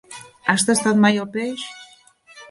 Has tastat mai el peix?